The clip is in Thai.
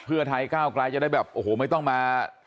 พระเก้ากลายจะได้แบบโอ้โหไม่ต้องมา